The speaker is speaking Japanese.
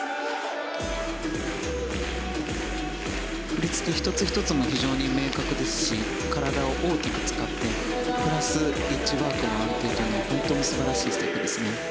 振り付け１つ１つも明確ですし体を大きく使って、プラスエッジワークの安定という本当に素晴らしいステップですね。